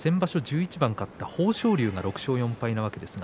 １１番勝った豊昇龍６勝４敗なわけです。